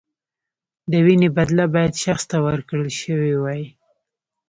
د وینې بدله باید شخص ته ورکړل شوې وای.